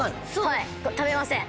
はい食べません